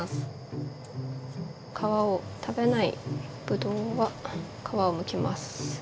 皮を食べないぶどうは皮をむきます。